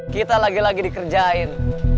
kita lagi lagi dikerjain